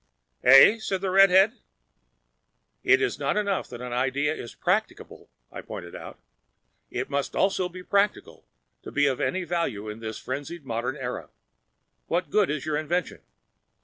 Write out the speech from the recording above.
"Eh?" said the redhead. "It's not enough that an idea is practicable," I pointed out. "It must also be practical to be of any value in this frenzied modern era. What good is your invention?"